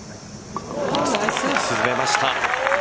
沈めました。